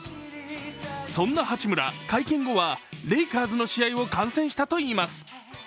そんな八村、会見後はレイカーズの試合を観戦したといいます。